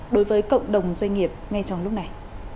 đối với cộng đồng doanh nghiệp ngay trong lúc này